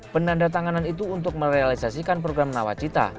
penandatangan itu untuk merealisasikan program nawacita